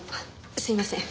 すいません。